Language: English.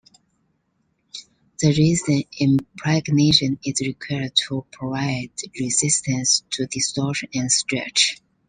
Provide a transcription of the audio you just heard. The resin impregnation is required to provide resistance to distortion and stretch.